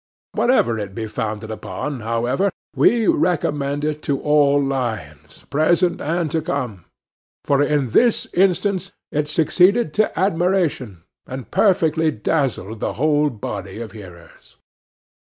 Whatever it be founded on, however, we recommend it to all lions, present and to come; for in this instance it succeeded to admiration, and perfectly dazzled the whole body of hearers.